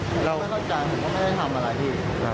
ค้นตัวรอกลดจ้างผมไม่ได้ทำอะไรที่